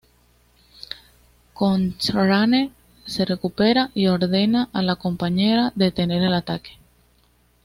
Cochrane se recupera y ordena a la "Compañera" detener el ataque.